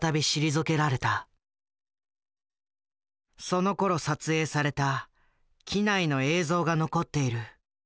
そのころ撮影された機内の映像が残っている。